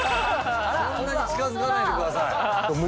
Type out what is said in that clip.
そんなに近づかないでください